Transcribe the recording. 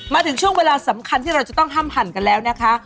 มาถึงช่วงเวลาสำคัญที่เราจะต้องห้ามหั่นกันแล้วนะคะ